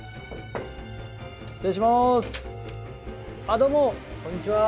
あっどうもこんにちは。